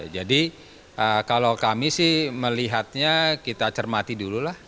jadi kalau kami melihatnya kita cermati dulu lah